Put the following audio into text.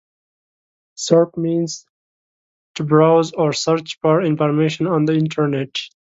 "Surf" means to browse or search for information on the Internet.